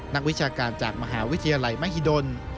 นักวิชาการจากมหาวิทยาลัยมหิดล